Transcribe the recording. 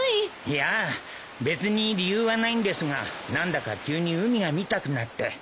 いやあ別に理由はないんですが何だか急に海が見たくなって。